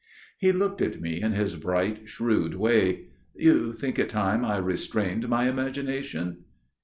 He looked at me in his bright, shrewd way. "You think it time I restrained my imagination?"